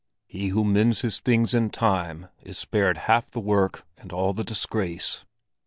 "He who mends his things in time, is spared half the work and all the disgrace."